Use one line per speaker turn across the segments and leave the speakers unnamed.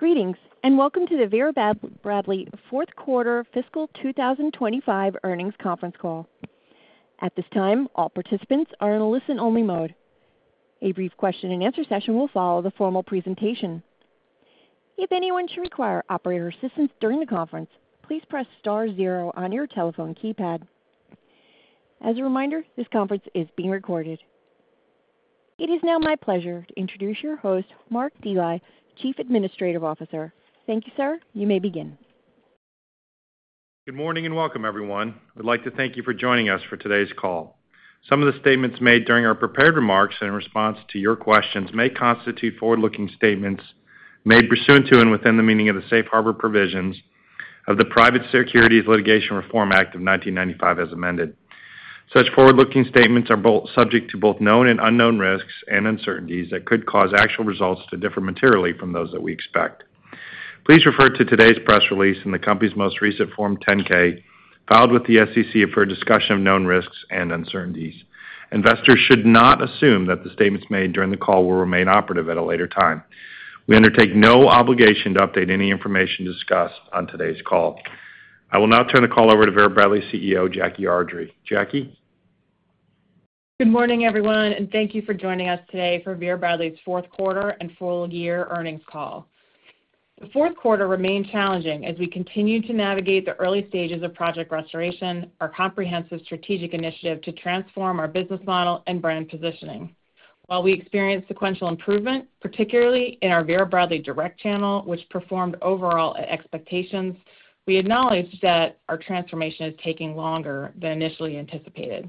Greetings, and welcome to the Vera Bradley fourth quarter fiscal 2025 earnings conference call. At this time, all participants are in a listen-only mode. A brief question-and-answer session will follow the formal presentation. If anyone should require operator assistance during the conference, please press star zero on your telephone keypad. As a reminder, this conference is being recorded. It is now my pleasure to introduce your host, Mark Dely, Chief Administrative Officer. Thank you, sir. You may begin.
Good morning and welcome, everyone. I'd like to thank you for joining us for today's call. Some of the statements made during our prepared remarks and in response to your questions may constitute forward-looking statements made pursuant to and within the meaning of the Safe Harbor Provisions of the Private Securities Litigation Reform Act of 1995, as amended. Such forward-looking statements are subject to both known and unknown risks and uncertainties that could cause actual results to differ materially from those that we expect. Please refer to today's press release and the company's most recent Form 10-K filed with the SEC for a discussion of known risks and uncertainties. Investors should not assume that the statements made during the call will remain operative at a later time. We undertake no obligation to update any information discussed on today's call. I will now turn the call over to Vera Bradley CEO, Jackie Ardrey. Jackie?
Good morning, everyone, and thank you for joining us today for Vera Bradley's fourth quarter and full year earnings call. The fourth quarter remained challenging as we continued to navigate the early stages of Project Restoration, our comprehensive strategic initiative to transform our business model and brand positioning. While we experienced sequential improvement, particularly in our Vera Bradley direct channel, which performed overall at expectations, we acknowledged that our transformation is taking longer than initially anticipated.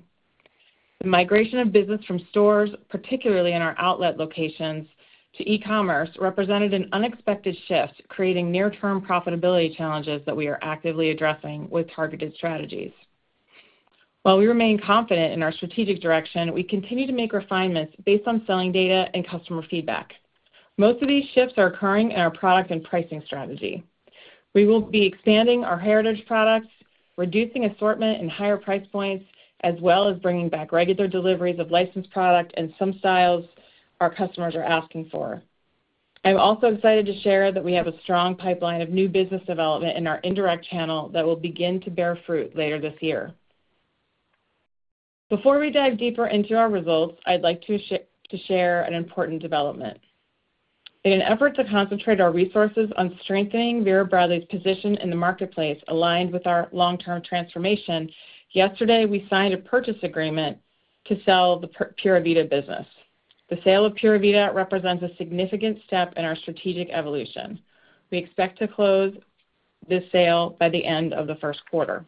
The migration of business from stores, particularly in our outlet locations, to e-commerce represented an unexpected shift, creating near-term profitability challenges that we are actively addressing with targeted strategies. While we remain confident in our strategic direction, we continue to make refinements based on selling data and customer feedback. Most of these shifts are occurring in our product and pricing strategy. We will be expanding our heritage products, reducing assortment and higher price points, as well as bringing back regular deliveries of licensed product and some styles our customers are asking for. I'm also excited to share that we have a strong pipeline of new business development in our indirect channel that will begin to bear fruit later this year. Before we dive deeper into our results, I'd like to share an important development. In an effort to concentrate our resources on strengthening Vera Bradley's position in the marketplace aligned with our long-term transformation, yesterday we signed a purchase agreement to sell the Pura Vida business. The sale of Pura Vida represents a significant step in our strategic evolution. We expect to close this sale by the end of the first quarter.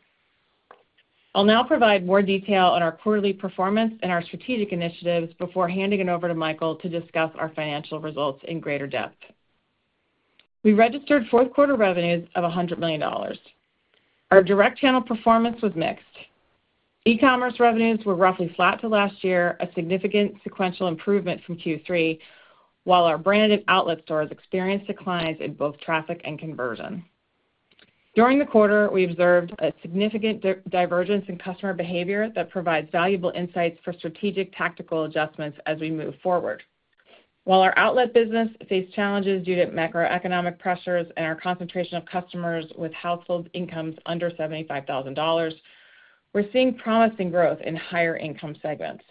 I'll now provide more detail on our quarterly performance and our strategic initiatives before handing it over to Michael to discuss our financial results in greater depth. We registered fourth quarter revenues of $100 million. Our direct channel performance was mixed. E-commerce revenues were roughly flat to last year, a significant sequential improvement from Q3, while our branded outlet stores experienced declines in both traffic and conversion. During the quarter, we observed a significant divergence in customer behavior that provides valuable insights for strategic tactical adjustments as we move forward. While our outlet business faced challenges due to macroeconomic pressures and our concentration of customers with household incomes under $75,000, we're seeing promising growth in higher income segments.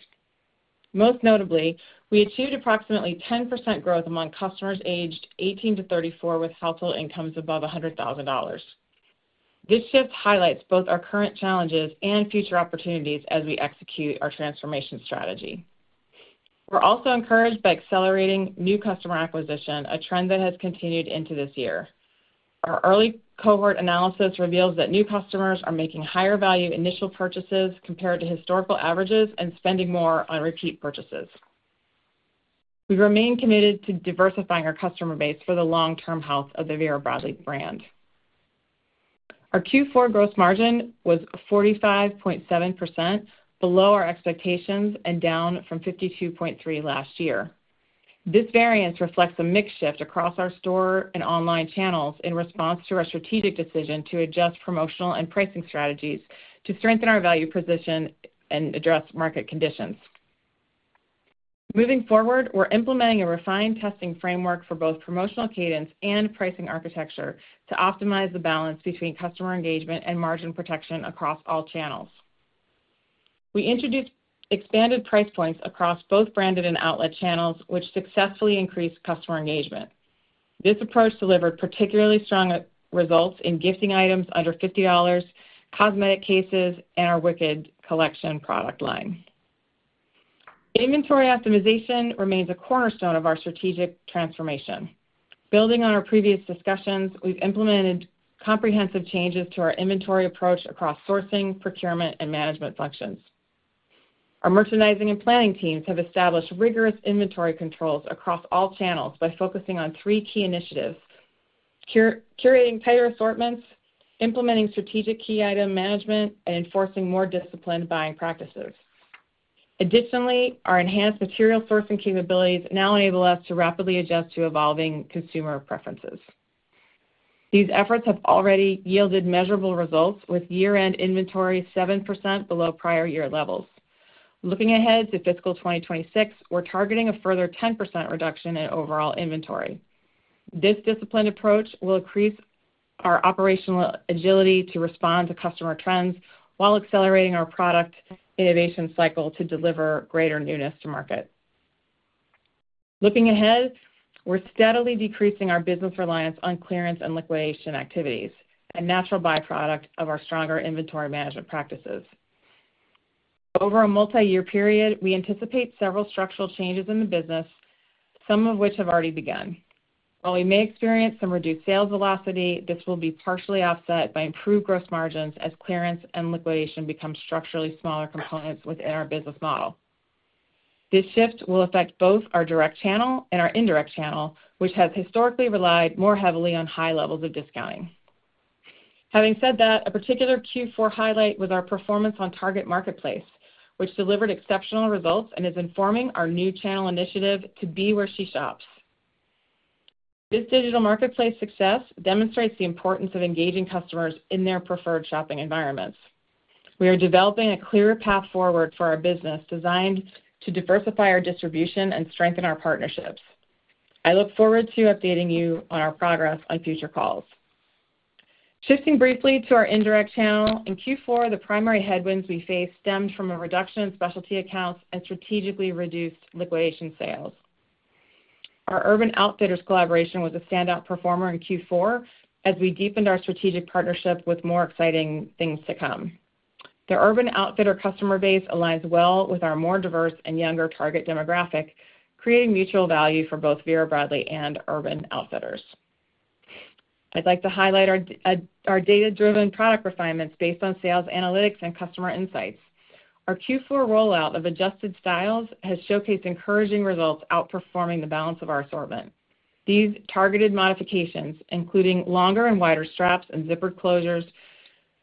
Most notably, we achieved approximately 10% growth among customers aged 18 to 34 with household incomes above $100,000. This shift highlights both our current challenges and future opportunities as we execute our transformation strategy. We're also encouraged by accelerating new customer acquisition, a trend that has continued into this year. Our early cohort analysis reveals that new customers are making higher value initial purchases compared to historical averages and spending more on repeat purchases. We remain committed to diversifying our customer base for the long-term health of the Vera Bradley brand. Our Q4 gross margin was 45.7%, below our expectations and down from 52.3% last year. This variance reflects a mixed shift across our store and online channels in response to our strategic decision to adjust promotional and pricing strategies to strengthen our value position and address market conditions. Moving forward, we're implementing a refined testing framework for both promotional cadence and pricing architecture to optimize the balance between customer engagement and margin protection across all channels. We introduced expanded price points across both branded and outlet channels, which successfully increased customer engagement. This approach delivered particularly strong results in gifting items under $50, cosmetic cases, and our Wicked collection product line. Inventory optimization remains a cornerstone of our strategic transformation. Building on our previous discussions, we've implemented comprehensive changes to our inventory approach across sourcing, procurement, and management functions. Our merchandising and planning teams have established rigorous inventory controls across all channels by focusing on three key initiatives: curating tighter assortments, implementing strategic key item management, and enforcing more disciplined buying practices. Additionally, our enhanced material sourcing capabilities now enable us to rapidly adjust to evolving consumer preferences. These efforts have already yielded measurable results, with year-end inventory 7% below prior year levels. Looking ahead to fiscal 2026, we're targeting a further 10% reduction in overall inventory. This disciplined approach will increase our operational agility to respond to customer trends while accelerating our product innovation cycle to deliver greater newness to market. Looking ahead, we're steadily decreasing our business reliance on clearance and liquidation activities, a natural byproduct of our stronger inventory management practices. Over a multi-year period, we anticipate several structural changes in the business, some of which have already begun. While we may experience some reduced sales velocity, this will be partially offset by improved gross margins as clearance and liquidation become structurally smaller components within our business model. This shift will affect both our direct channel and our indirect channel, which has historically relied more heavily on high levels of discounting. Having said that, a particular Q4 highlight was our performance on Target Marketplace, which delivered exceptional results and is informing our new channel initiative to be where she shops. This digital marketplace success demonstrates the importance of engaging customers in their preferred shopping environments. We are developing a clearer path forward for our business designed to diversify our distribution and strengthen our partnerships. I look forward to updating you on our progress on future calls. Shifting briefly to our indirect channel, in Q4, the primary headwinds we faced stemmed from a reduction in specialty accounts and strategically reduced liquidation sales. Our Urban Outfitters collaboration was a standout performer in Q4 as we deepened our strategic partnership with more exciting things to come. The Urban Outfitters customer base aligns well with our more diverse and younger target demographic, creating mutual value for both Vera Bradley and Urban Outfitters. I'd like to highlight our data-driven product refinements based on sales analytics and customer insights. Our Q4 rollout of adjusted styles has showcased encouraging results outperforming the balance of our assortment. These targeted modifications, including longer and wider straps and zippered closures,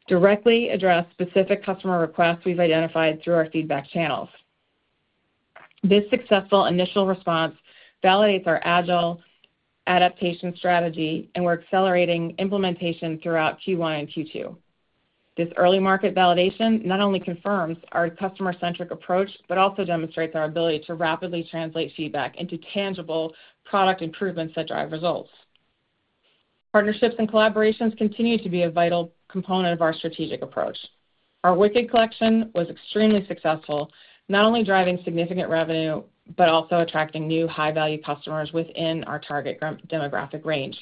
directly address specific customer requests we've identified through our feedback channels. This successful initial response validates our agile adaptation strategy, and we're accelerating implementation throughout Q1 and Q2. This early market validation not only confirms our customer-centric approach but also demonstrates our ability to rapidly translate feedback into tangible product improvements that drive results. Partnerships and collaborations continue to be a vital component of our strategic approach. Our Wicked collection was extremely successful, not only driving significant revenue but also attracting new high-value customers within our target demographic range.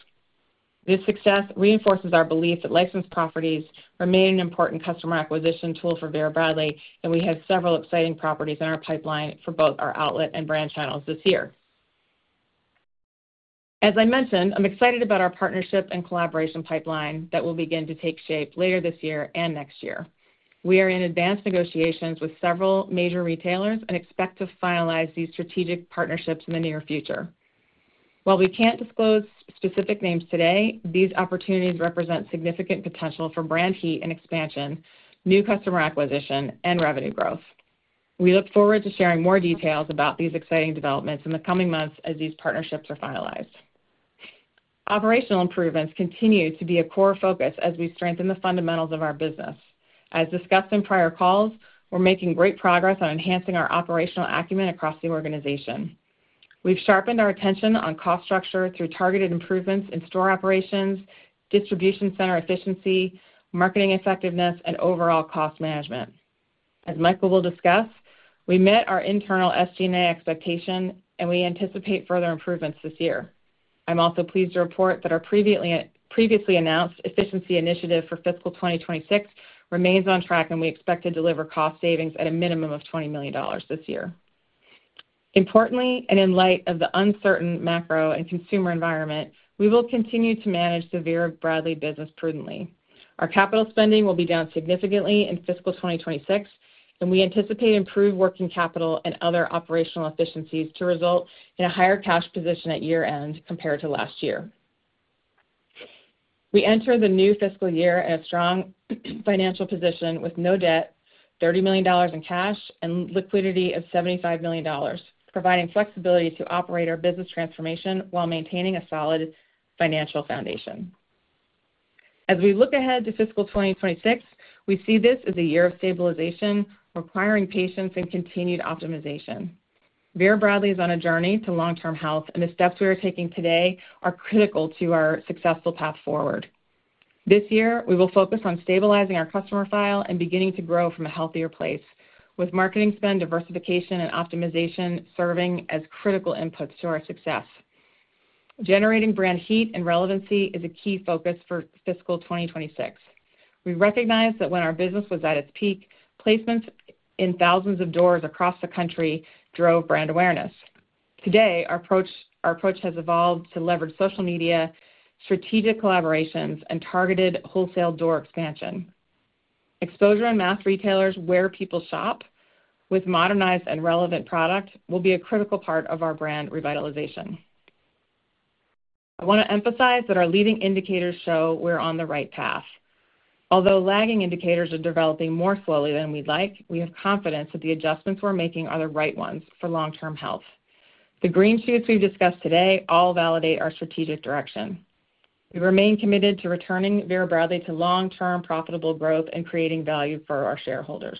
This success reinforces our belief that licensed properties remain an important customer acquisition tool for Vera Bradley, and we have several exciting properties in our pipeline for both our outlet and brand channels this year. As I mentioned, I'm excited about our partnership and collaboration pipeline that will begin to take shape later this year and next year. We are in advanced negotiations with several major retailers and expect to finalize these strategic partnerships in the near future. While we can't disclose specific names today, these opportunities represent significant potential for brand heat and expansion, new customer acquisition, and revenue growth. We look forward to sharing more details about these exciting developments in the coming months as these partnerships are finalized. Operational improvements continue to be a core focus as we strengthen the fundamentals of our business. As discussed in prior calls, we're making great progress on enhancing our operational acumen across the organization. We've sharpened our attention on cost structure through targeted improvements in store operations, distribution center efficiency, marketing effectiveness, and overall cost management. As Michael will discuss, we met our internal SG&A expectation, and we anticipate further improvements this year. I'm also pleased to report that our previously announced efficiency initiative for fiscal 2026 remains on track, and we expect to deliver cost savings at a minimum of $20 million this year. Importantly, in light of the uncertain macro and consumer environment, we will continue to manage the Vera Bradley business prudently. Our capital spending will be down significantly in fiscal 2026, and we anticipate improved working capital and other operational efficiencies to result in a higher cash position at year-end compared to last year. We enter the new fiscal year in a strong financial position with no debt, $30 million in cash, and liquidity of $75 million, providing flexibility to operate our business transformation while maintaining a solid financial foundation. As we look ahead to fiscal 2026, we see this as a year of stabilization requiring patience and continued optimization. Vera Bradley is on a journey to long-term health, and the steps we are taking today are critical to our successful path forward. This year, we will focus on stabilizing our customer file and beginning to grow from a healthier place, with marketing spend diversification and optimization serving as critical inputs to our success. Generating brand heat and relevancy is a key focus for fiscal 2026. We recognize that when our business was at its peak, placements in thousands of doors across the country drove brand awareness. Today, our approach has evolved to leverage social media, strategic collaborations, and targeted wholesale door expansion. Exposure in mass retailers where people shop with modernized and relevant products will be a critical part of our brand revitalization. I want to emphasize that our leading indicators show we're on the right path. Although lagging indicators are developing more slowly than we'd like, we have confidence that the adjustments we're making are the right ones for long-term health. The green shoots we've discussed today all validate our strategic direction. We remain committed to returning Vera Bradley to long-term profitable growth and creating value for our shareholders.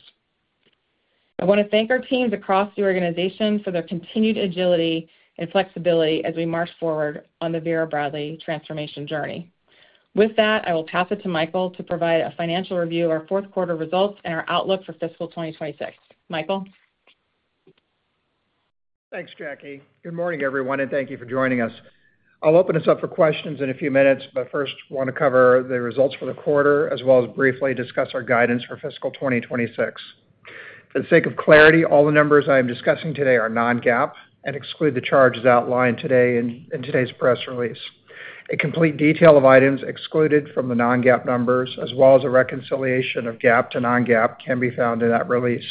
I want to thank our teams across the organization for their continued agility and flexibility as we march forward on the Vera Bradley transformation journey. With that, I will pass it to Michael to provide a financial review of our fourth quarter results and our outlook for fiscal 2026. Michael.
Thanks, Jackie. Good morning, everyone, and thank you for joining us. I'll open us up for questions in a few minutes, but first, I want to cover the results for the quarter, as well as briefly discuss our guidance for fiscal 2026. For the sake of clarity, all the numbers I am discussing today are Non-GAAP and exclude the charges outlined today in today's press release. A complete detail of items excluded from the Non-GAAP numbers, as well as a reconciliation of GAAP to Non-GAAP, can be found in that release.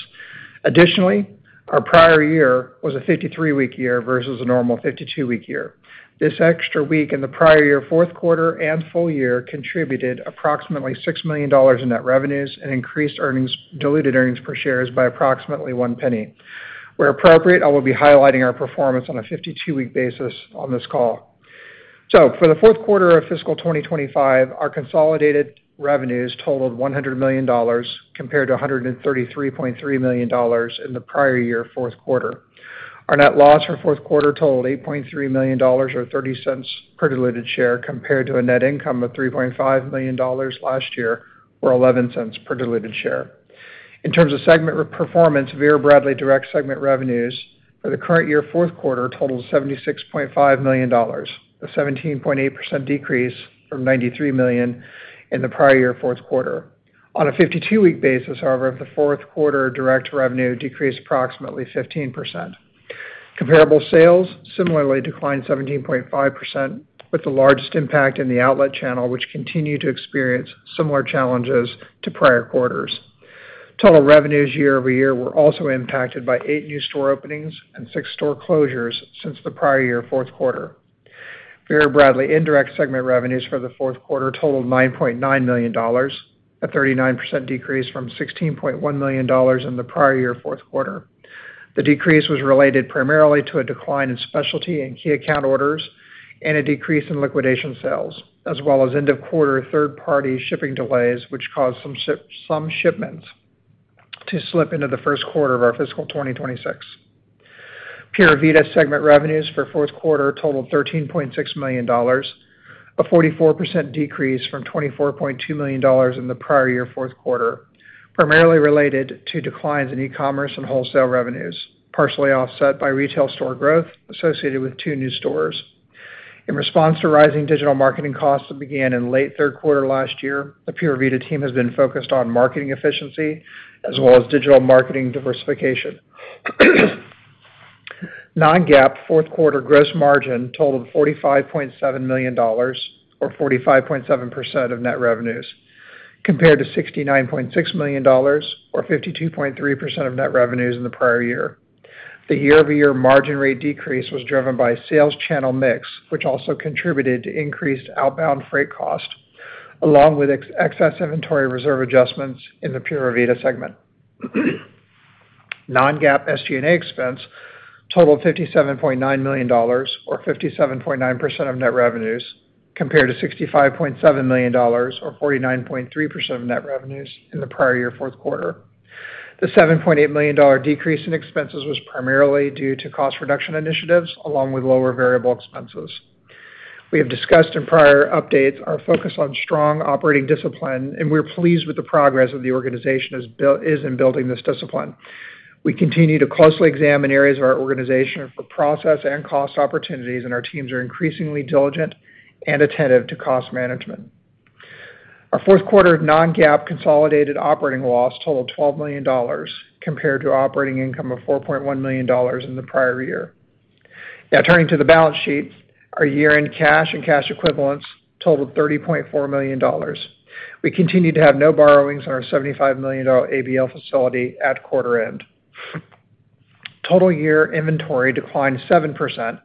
Additionally, our prior year was a 53-week year versus a normal 52-week year. This extra week in the prior year fourth quarter and full year contributed approximately $6 million in net revenues and increased earnings, diluted earnings per share by approximately one penny. Where appropriate, I will be highlighting our performance on a 52-week basis on this call. For the fourth quarter of fiscal 2025, our consolidated revenues totaled $100 million compared to $133.3 million in the prior year fourth quarter. Our net loss for fourth quarter totaled $8.3 million or $0.30 per diluted share compared to a net income of $3.5 million last year or $0.11 per diluted share. In terms of segment performance, Vera Bradley direct segment revenues for the current year fourth quarter totaled $76.5 million, a 17.8% decrease from $93 million in the prior year fourth quarter. On a 52-week basis, however, the fourth quarter direct revenue decreased approximately 15%. Comparable sales similarly declined 17.5%, with the largest impact in the outlet channel, which continued to experience similar challenges to prior quarters. Total revenues year-over-year were also impacted by eight new store openings and six store closures since the prior year fourth quarter. Vera Bradley indirect segment revenues for the fourth quarter totaled $9.9 million, a 39% decrease from $16.1 million in the prior year fourth quarter. The decrease was related primarily to a decline in specialty and key account orders and a decrease in liquidation sales, as well as end-of-quarter third-party shipping delays, which caused some shipments to slip into the first quarter of our fiscal 2026. Pura Vida segment revenues for the fourth quarter totaled $13.6 million, a 44% decrease from $24.2 million in the prior year fourth quarter, primarily related to declines in e-commerce and wholesale revenues, partially offset by retail store growth associated with two new stores. In response to rising digital marketing costs that began in late third quarter last year, the Pura Vida team has been focused on marketing efficiency as well as digital marketing diversification. Non-GAAP fourth quarter gross margin totaled $45.7 million or 45.7% of net revenues, compared to $69.6 million or 52.3% of net revenues in the prior year. The year-over-year margin rate decrease was driven by sales channel mix, which also contributed to increased outbound freight cost, along with excess inventory reserve adjustments in the Pura Vida segment. Non-GAAP SG&A expense totaled $57.9 million or 57.9% of net revenues, compared to $65.7 million or 49.3% of net revenues in the prior year fourth quarter. The $7.8 million decrease in expenses was primarily due to cost reduction initiatives along with lower variable expenses. We have discussed in prior updates our focus on strong operating discipline, and we are pleased with the progress the organization is in building this discipline. We continue to closely examine areas of our organization for process and cost opportunities, and our teams are increasingly diligent and attentive to cost management. Our fourth quarter Non-GAAP consolidated operating loss totaled $12 million, compared to operating income of $4.1 million in the prior year. Now, turning to the balance sheet, our year-end cash and cash equivalents totaled $30.4 million. We continue to have no borrowings on our $75 million ABL facility at quarter end. Total year inventory declined 7%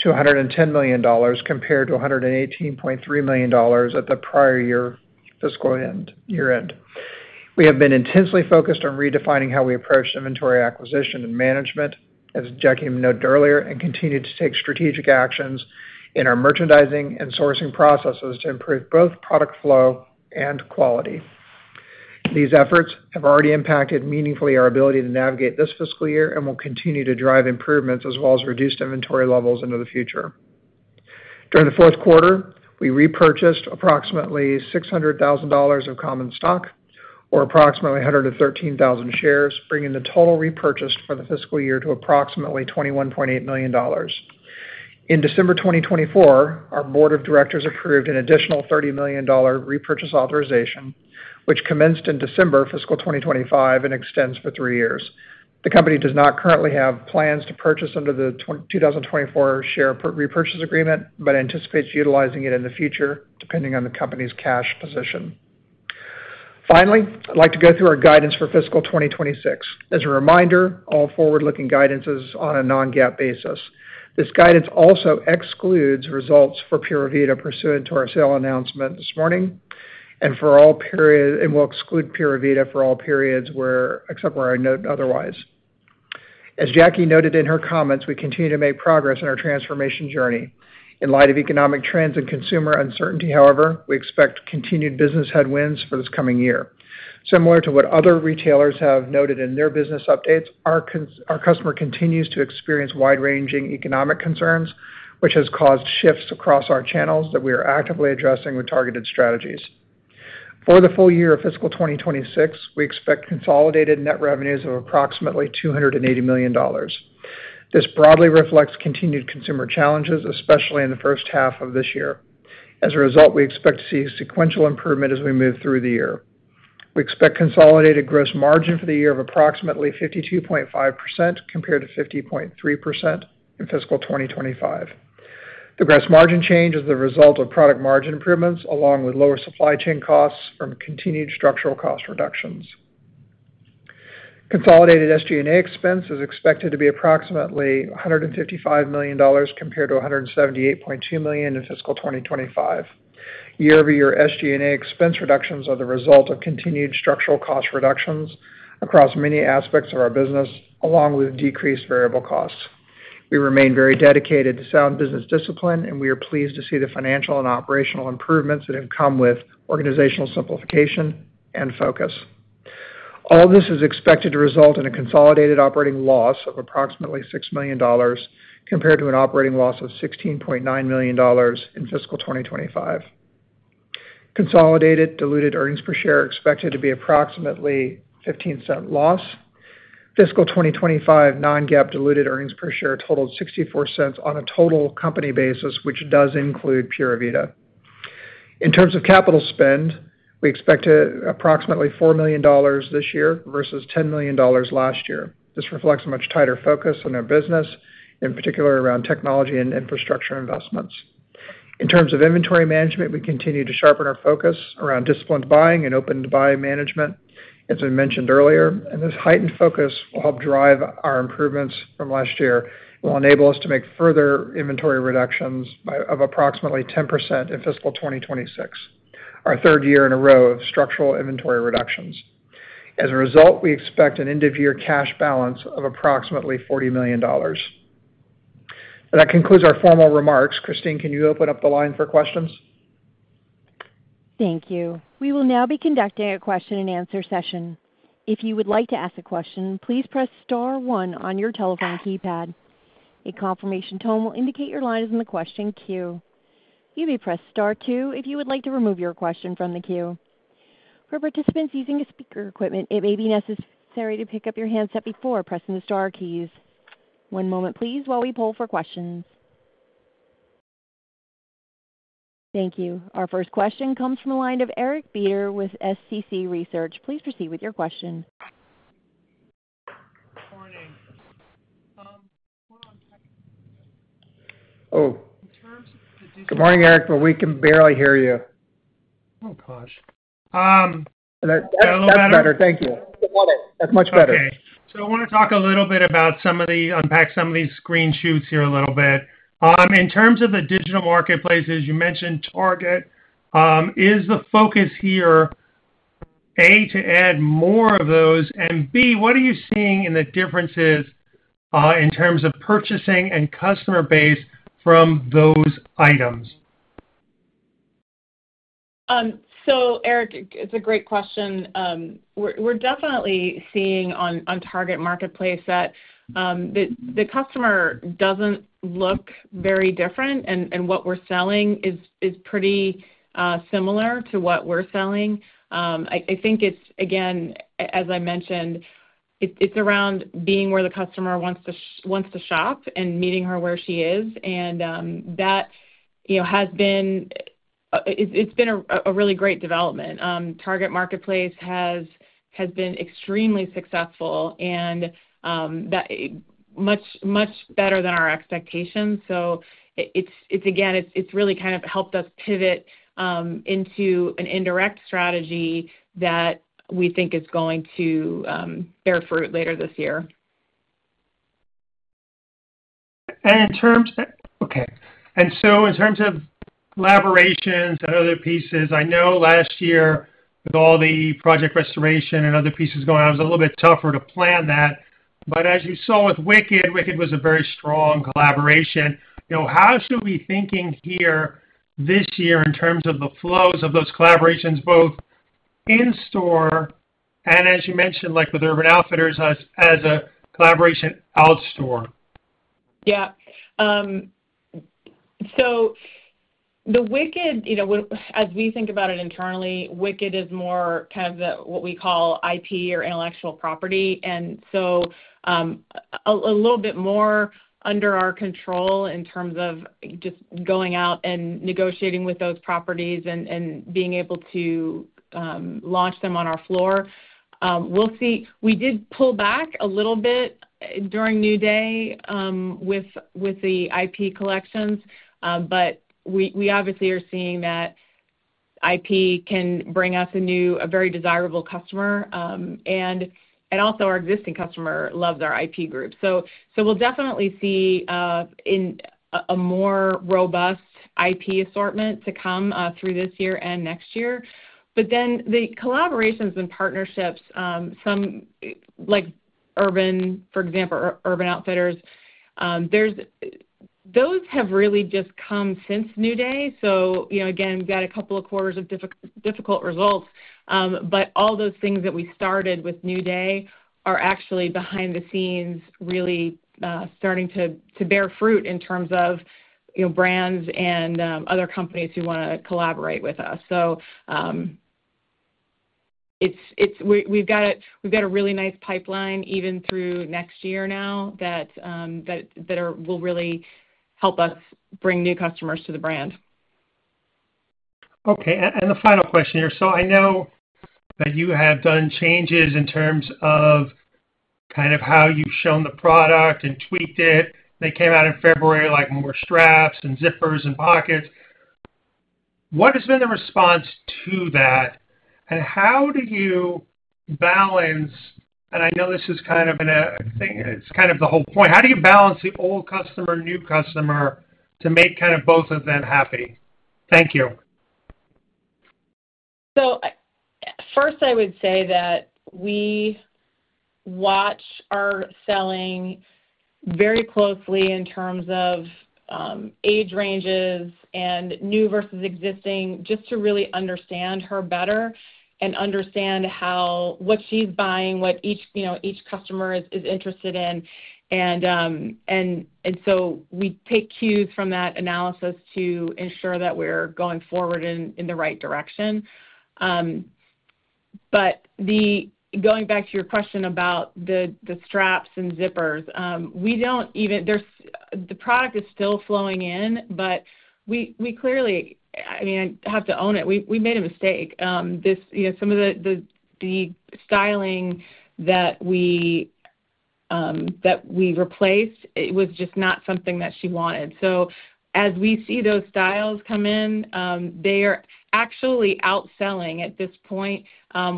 to $110 million, compared to $118.3 million at the prior year fiscal year-end. We have been intensely focused on redefining how we approach inventory acquisition and management, as Jackie noted earlier, and continue to take strategic actions in our merchandising and sourcing processes to improve both product flow and quality. These efforts have already impacted meaningfully our ability to navigate this fiscal year and will continue to drive improvements as well as reduced inventory levels into the future. During the fourth quarter, we repurchased approximately $600,000 of common stock or approximately 113,000 shares, bringing the total repurchased for the fiscal year to approximately $21.8 million. In December 2024, our board of directors approved an additional $30 million repurchase authorization, which commenced in December fiscal 2025 and extends for three years. The company does not currently have plans to purchase under the 2024 share repurchase agreement, but anticipates utilizing it in the future depending on the company's cash position. Finally, I'd like to go through our guidance for fiscal 2026. As a reminder, all forward-looking guidance is on a Non-GAAP basis. This guidance also excludes results for Pura Vida pursuant to our sale announcement this morning and will exclude Pura Vida for all periods except where I note otherwise. As Jackie noted in her comments, we continue to make progress in our transformation journey. In light of economic trends and consumer uncertainty, however, we expect continued business headwinds for this coming year. Similar to what other retailers have noted in their business updates, our customer continues to experience wide-ranging economic concerns, which has caused shifts across our channels that we are actively addressing with targeted strategies. For the full year of fiscal 2026, we expect consolidated net revenues of approximately $280 million. This broadly reflects continued consumer challenges, especially in the first half of this year. As a result, we expect to see sequential improvement as we move through the year. We expect consolidated gross margin for the year of approximately 52.5% compared to 50.3% in fiscal 2025. The gross margin change is the result of product margin improvements along with lower supply chain costs from continued structural cost reductions. Consolidated SG&A expense is expected to be approximately $155 million compared to $178.2 million in fiscal 2025. Year-over-year SG&A expense reductions are the result of continued structural cost reductions across many aspects of our business, along with decreased variable costs. We remain very dedicated to sound business discipline, and we are pleased to see the financial and operational improvements that have come with organizational simplification and focus. All this is expected to result in a consolidated operating loss of approximately $6 million compared to an operating loss of $16.9 million in fiscal 2025. Consolidated diluted earnings per share are expected to be approximately $0.15 loss. Fiscal 2025 Non-GAAP diluted earnings per share totaled $0.64 on a total company basis, which does include Pura Vida. In terms of capital spend, we expect approximately $4 million this year versus $10 million last year. This reflects a much tighter focus on our business, in particular around technology and infrastructure investments. In terms of inventory management, we continue to sharpen our focus around disciplined buying and open-to-buy management, as we mentioned earlier, and this heightened focus will help drive our improvements from last year and will enable us to make further inventory reductions of approximately 10% in fiscal 2026, our third year in a row of structural inventory reductions. As a result, we expect an end-of-year cash balance of approximately $40 million. That concludes our formal remarks. Christine, can you open up the line for questions?
Thank you. We will now be conducting a question-and-answer session. If you would like to ask a question, please press Star one on your telephone keypad. A confirmation tone will indicate your line is in the question queue. You may press Star two if you would like to remove your question from the queue. For participants using speaker equipment, it may be necessary to pick up your handset before pressing the Star keys. One moment, please, while we pull for questions. Thank you. Our first question comes from a line of Eric Beder with SCC Research. Please proceed with your question.
Good morning.
Oh. Good morning, Eric, but we can barely hear you.
Oh, gosh. Is that a little better?
That's better. Thank you. That's much better.
Okay. I want to talk a little bit about some of the, unpack some of these screen shoots here a little bit. In terms of the digital marketplaces, you mentioned Target. Is the focus here, A, to add more of those, and B, what are you seeing in the differences in terms of purchasing and customer base from those items?
Eric, it's a great question. We're definitely seeing on Target Marketplace that the customer doesn't look very different, and what we're selling is pretty similar to what we're selling. I think it's, again, as I mentioned, it's around being where the customer wants to shop and meeting her where she is, and that has been a really great development. Target Marketplace has been extremely successful and much better than our expectations. Again, it's really kind of helped us pivot into an indirect strategy that we think is going to bear fruit later this year.
In terms of okay. In terms of collaborations and other pieces, I know last year, with all the Project Restoration and other pieces going on, it was a little bit tougher to plan that. As you saw with Wicked, Wicked was a very strong collaboration. How should we be thinking here this year in terms of the flows of those collaborations, both in-store and, as you mentioned, with Urban Outfitters as a collaboration outstore?
Yeah. The Wicked, as we think about it internally, Wicked is more kind of what we call IP or intellectual property. A little bit more under our control in terms of just going out and negotiating with those properties and being able to launch them on our floor. We did pull back a little bit during New Day with the IP collections, but we obviously are seeing that IP can bring us a very desirable customer. Also, our existing customer loves our IP group. We will definitely see a more robust IP assortment to come through this year and next year. The collaborations and partnerships, like Urban, for example, or Urban Outfitters, those have really just come since New Day. Again, we have got a couple of quarters of difficult results. All those things that we started with New Day are actually behind the scenes really starting to bear fruit in terms of brands and other companies who want to collaborate with us. We have got a really nice pipeline even through next year now that will really help us bring new customers to the brand.
Okay. The final question here. I know that you have done changes in terms of kind of how you've shown the product and tweaked it. They came out in February like more straps and zippers and pockets. What has been the response to that? How do you balance—and I know this is kind of a thing; it's kind of the whole point—how do you balance the old customer, new customer, to make kind of both of them happy? Thank you.
First, I would say that we watch our selling very closely in terms of age ranges and new versus existing, just to really understand her better and understand what she's buying, what each customer is interested in. We take cues from that analysis to ensure that we're going forward in the right direction. Going back to your question about the straps and zippers, we don't even—the product is still flowing in, but we clearly—I mean, I have to own it. We made a mistake. Some of the styling that we replaced, it was just not something that she wanted. As we see those styles come in, they are actually outselling at this point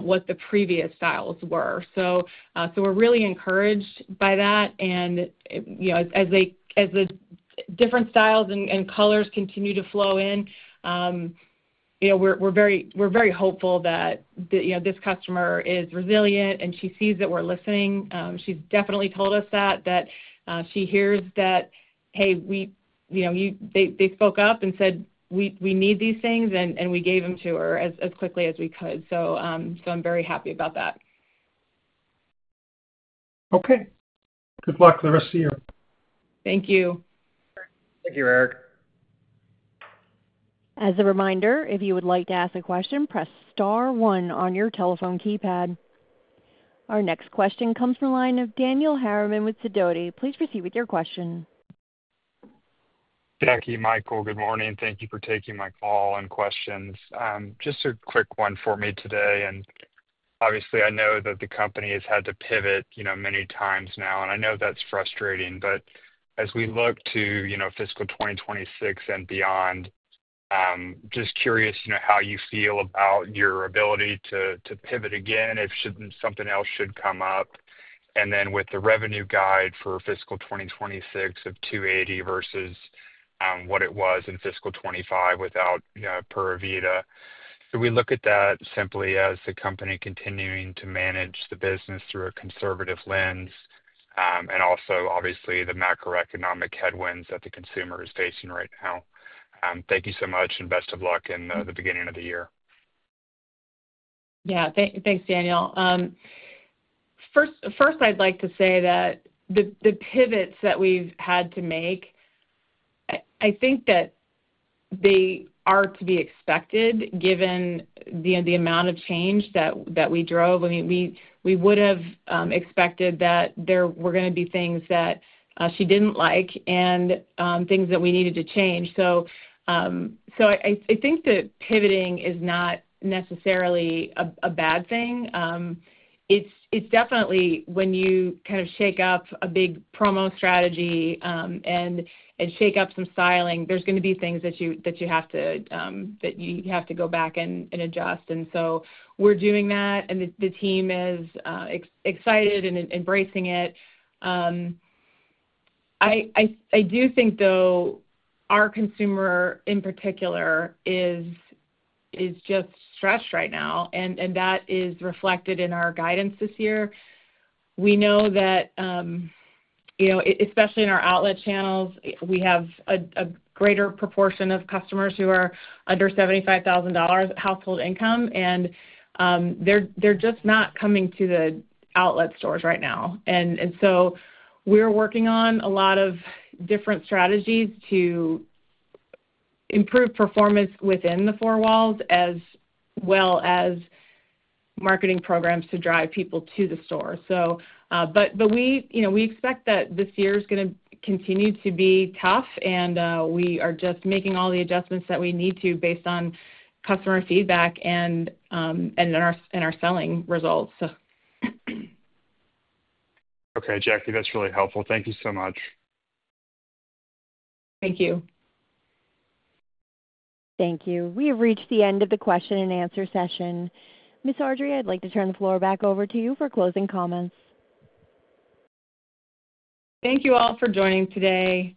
what the previous styles were. We are really encouraged by that. As the different styles and colors continue to flow in, we are very hopeful that this customer is resilient and she sees that we are listening. She has definitely told us that, that she hears that, "Hey, they spoke up and said we need these things," and we gave them to her as quickly as we could. I am very happy about that.
Okay. Good luck for the rest of the year.
Thank you.
Thank you, Eric.
As a reminder, if you would like to ask a question, press Star 1 on your telephone keypad. Our next question comes from a line of Daniel Harriman with Sidoti. Please proceed with your question.
Jackie, Michael, good morning. Thank you for taking my call and questions. Just a quick one for me today. Obviously, I know that the company has had to pivot many times now, and I know that's frustrating. As we look to fiscal 2026 and beyond, just curious how you feel about your ability to pivot again if something else should come up. With the revenue guide for fiscal 2026 of $280 million versus what it was in fiscal 2025 without Pura Vida. Do we look at that simply as the company continuing to manage the business through a conservative lens and also, obviously, the macroeconomic headwinds that the consumer is facing right now? Thank you so much and best of luck in the beginning of the year.
Yeah. Thanks, Daniel. First, I'd like to say that the pivots that we've had to make, I think that they are to be expected given the amount of change that we drove. I mean, we would have expected that there were going to be things that she didn't like and things that we needed to change. I think that pivoting is not necessarily a bad thing. It's definitely when you kind of shake up a big promo strategy and shake up some styling, there's going to be things that you have to go back and adjust. We're doing that, and the team is excited and embracing it. I do think, though, our consumer in particular is just stressed right now, and that is reflected in our guidance this year. We know that, especially in our outlet channels, we have a greater proportion of customers who are under $75,000 household income, and they're just not coming to the outlet stores right now. We're working on a lot of different strategies to improve performance within the four walls as well as marketing programs to drive people to the store. We expect that this year is going to continue to be tough, and we are just making all the adjustments that we need to based on customer feedback and in our selling results.
Okay. Jackie, that's really helpful. Thank you so much.
Thank you.
Thank you. We have reached the end of the question-and-answer session. Ms. Ardrey, I'd like to turn the floor back over to you for closing comments.
Thank you all for joining today.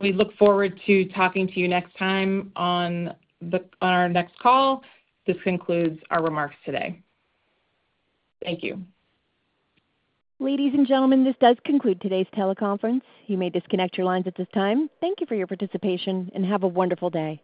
We look forward to talking to you next time on our next call. This concludes our remarks today. Thank you.
Ladies and gentlemen, this does conclude today's teleconference. You may disconnect your lines at this time. Thank you for your participation, and have a wonderful day.